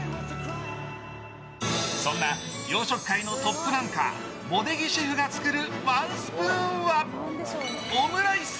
そんな洋食界のトップランカー茂出木シェフが作るワンスプーンはオムライス！